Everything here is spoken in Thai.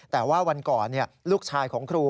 แต่ว่าวันก่อนลูกชายของครู